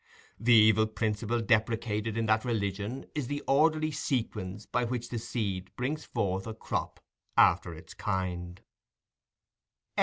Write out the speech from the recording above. The evil principle deprecated in that religion is the orderly sequence by which the seed brings forth a crop after its kind.